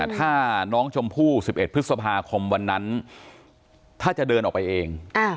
ถ้าน้องชมพู่๑๑พฤษภาคมวันนั้นถ้าจะเดินออกไปเอง